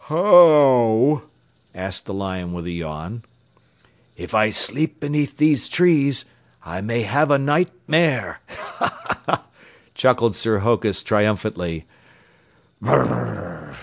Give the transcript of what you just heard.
"How?" asked the lion with a yawn. "If I sleep beneath these trees, I may have a Knight mare," chuckled Sir Hokus triumphantly.